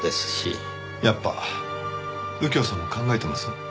やっぱ右京さんも考えてます？